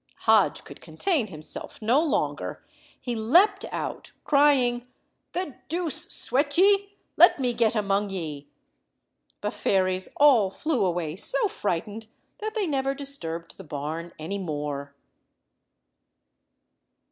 Hodge could contain himself no longer. He leapt out, crying— "The deuce sweat ye! Let me get among ye." The fairies all flew away so frightened that they never disturbed the barn any more.